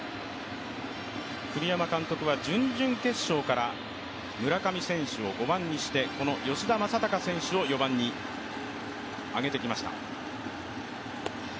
栗山監督は準々決勝から村上選手を５番にしてこの吉田正尚選手を４番に上げてきました。